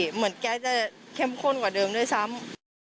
เหมือนแกจะเข้มข้นกว่าเดิมด้วยซ้ำ